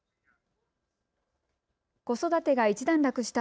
子育てが一段落した